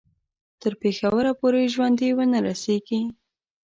تر پېښوره پوري ژوندي ونه رسیږي.